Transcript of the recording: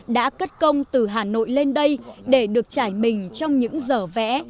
đã cất công từ hà nội lên đây để được trải mình trong những giờ vẽ